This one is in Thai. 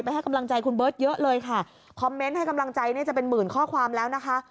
ให้กำลังใจคุณเบิร์ตเยอะเลยค่ะคอมเมนต์ให้กำลังใจเนี่ยจะเป็นหมื่นข้อความแล้วนะคะ